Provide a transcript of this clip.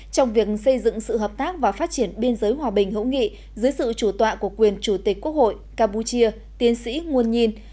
trong việc xây dựng sự hợp tác và phát triển biên giới hòa bình hữu nghị dưới sự chủ tọa của quyền chủ tịch quốc hội campuchia tiến sĩ nguồn nhìn